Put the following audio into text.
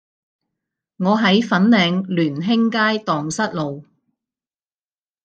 我喺粉嶺聯興街盪失路